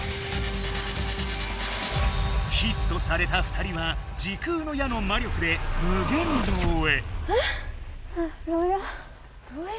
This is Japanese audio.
ヒットされた２人は時空の矢の魔力で無限牢へ。